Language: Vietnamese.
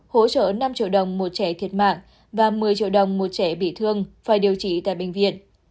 hỗ trợ năm triệu đồng một trẻ thiệt mạng và một mươi triệu đồng một trẻ bị thương phải điều trị tại bệnh viện